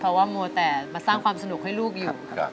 เพราะว่ามัวแต่มาสร้างความสนุกให้ลูกอยู่